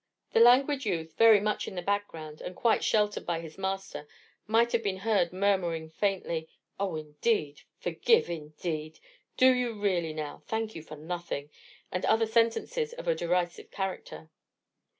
The languid youth, very much in the background, and quite sheltered, by his master, might have been heard murmuring faintly— "Oh, indeed! Forgive, indeed! Do you really, now? Thank you for nothing!" and other sentences of a derisive character.